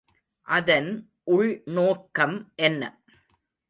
அதன் உள் நோக்கம் என்ன?